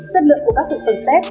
sất lượng của các thực phẩm tết